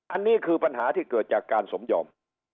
อันนี้คือปัญหาที่เกิดจากการสมยอม